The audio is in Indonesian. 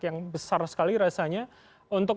yang besar sekali rasanya untuk